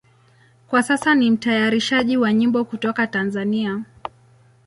Kwa sasa ni mtayarishaji wa nyimbo kutoka Tanzania.